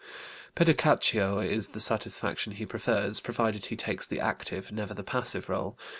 Pedicatio is the satisfaction he prefers, provided he takes the active, never the passive, rôle.